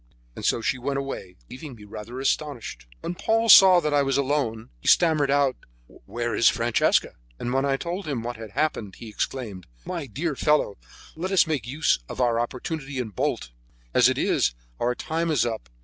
And so she went away, leaving me rather astonished. When Paul saw that I was alone, he stammered out: "Where; is Francesca?" And when I told him what had happened, he exclaimed: "My dear fellow, let us make use of our opportunity, and bolt; as it is, our time is up.